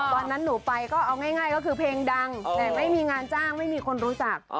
ตอนนั้นหนูไปก็เอาง่ายก็คือเพลงดังแต่ไม่มีงานจ้างไม่มีคนรู้จัก